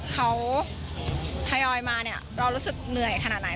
เขาทยอยมาเนี่ยเรารู้สึกเหนื่อยขนาดไหน